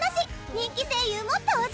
人気声優も登場！